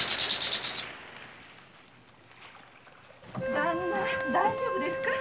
旦那大丈夫ですか？